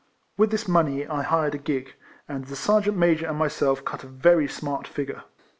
With this money I hired a gig, and the Sergeant Major and myself cut a very smart figure.